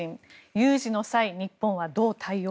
有事の際、日本はどう対応？